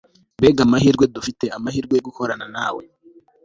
mbega amahirwe dufite amahirwe yo gukorana nawe